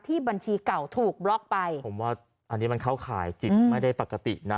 บัญชีเก่าถูกบล็อกไปผมว่าอันนี้มันเข้าข่ายจิตไม่ได้ปกตินะ